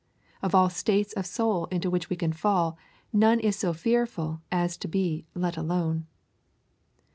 Of all states of soul into which we can fall, none is so fearful as to be " let alone."